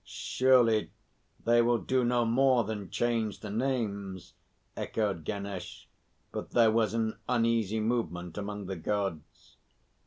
"Surely they will do no more than change the names," echoed Ganesh; but there was an uneasy movement among the Gods.